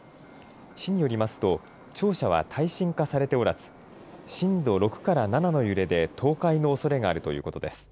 市によりますと、庁舎は耐震化されておらず、震度６から７の揺れで倒壊のおそれがあるということです。